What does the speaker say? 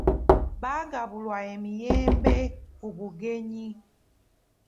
Baagabulwa emiyembe ki bugenyi.